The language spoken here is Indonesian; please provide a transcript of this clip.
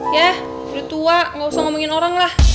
yah udah tua gausah ngomongin orang lah